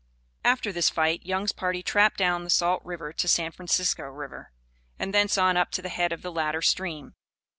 After this fight, Young's party trapped down the Salt River to San Francisco River, and thence on up to the head of the latter stream.